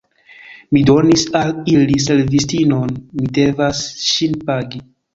Mi donis al ili servistinon, mi devas ŝin pagi.